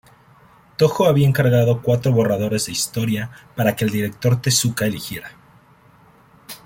Toho había encargado cuatro borradores de historia para que el director Tezuka eligiera.